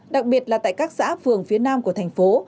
đặc biệt là tại các xã phường phía nam của thành phố